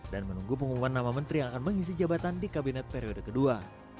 dan menunggu pengumuman nama menteri yang akan mengisi jabatan di kabinet periode kedua